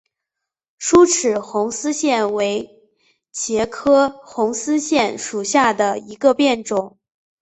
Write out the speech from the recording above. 疏齿红丝线为茄科红丝线属下的一个变种。